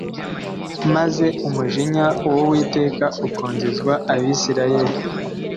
Maze umujinya w Uwiteka ukongezwa Abisirayeli